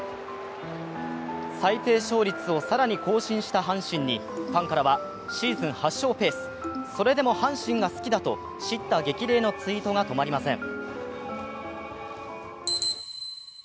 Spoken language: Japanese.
最低勝率を更に更新した阪神にファンからはシーズン８勝ペース、それでも阪神が好きだと叱咤激励のツイートが止まりません。